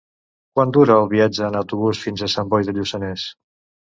Quant dura el viatge en autobús fins a Sant Boi de Lluçanès?